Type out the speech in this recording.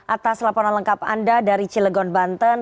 atas laporan lengkap anda dari cilegon banten